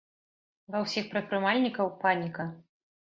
Ва ўсіх прадпрымальнікаў паніка.